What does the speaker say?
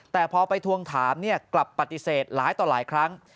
แต่พอไปทวงถามกลับปฏิเสธหลายต่อหลายครั้ง